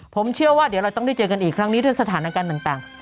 ผมเชื่อว่าเดี๋ยวเราต้องได้เจอกันอีกครั้งนี้ด้วยสถานการณ์ต่าง